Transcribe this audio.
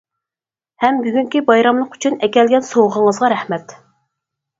ھەم بۈگۈنكى بايراملىق ئۈچۈن ئەكەلگەن سوغىڭىزغا رەھمەت!